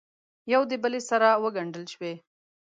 یو دبلې سره وګنډل شوې